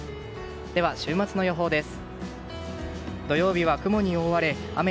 では、週末の予報です。